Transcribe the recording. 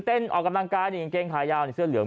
เต้นออกกำลังกายเกงขายาวเสื้อเหลือง